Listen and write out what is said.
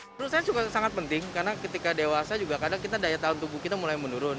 menurut saya juga sangat penting karena ketika dewasa juga kadang kita daya tahan tubuh kita mulai menurun